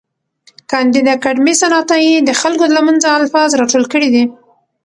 کانديد اکاډميسن عطايي د خلکو له منځه الفاظ راټول کړي دي.